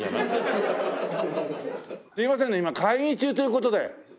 すいませんね今会議中という事で。